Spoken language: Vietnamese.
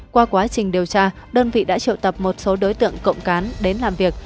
qua quá trình điều tra đơn vị đã triệu tập một số đối tượng cộng cán đến làm việc